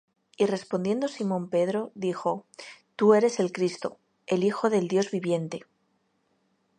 Y respondiendo Simón Pedro, dijo: Tú eres el Cristo, el Hijo del Dios viviente.